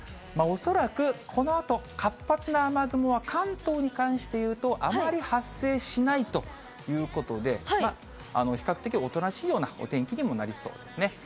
恐らくこのあと、活発な雨雲は関東に関していうと、あまり発生しないということで、比較的おとなしいようなお天気にもなりそうですね。